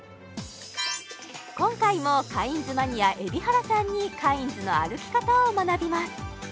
今回もカインズマニア海老原さんにカインズの歩き方を学びます